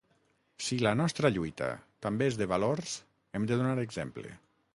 Si la nostra lluita també és de valors hem de donar exemple.